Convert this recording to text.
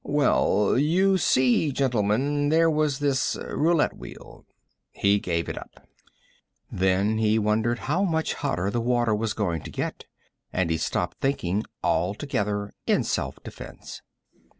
"Well, you see, gentlemen, there was this roulette wheel " He gave it up. Then he wondered how much hotter the water was going to get, and he stopped thinking altogether in self defense.